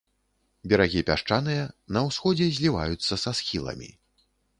Берагі пясчаныя, на ўсходзе зліваюцца са схіламі.